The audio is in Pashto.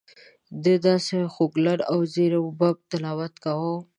ده داسې خوږ لحن او زیر و بم تلاوت کاوه.